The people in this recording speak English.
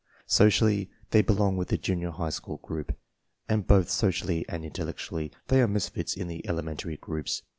Socially, they belong with the junior high school group, and both socially and intellectually they are misfits in the ele mentary groups.